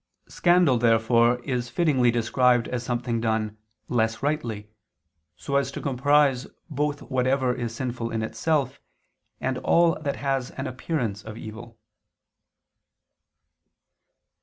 Scandal is therefore fittingly described as something done "less rightly," so as to comprise both whatever is sinful in itself, and all that has an appearance of evil.